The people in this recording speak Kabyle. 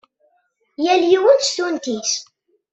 Yal yiwen s tunt-is.